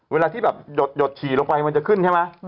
เวลาที่แบบหยดฉี่ลงไปมันจะขึ้นใช่ไหม